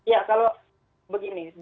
ya kalau begini